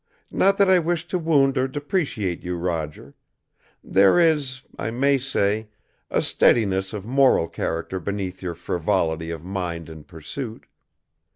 Not that I wish to wound or depreciate you, Roger. There is, I may say, a steadiness of moral character beneath your frivolity of mind and pursuit.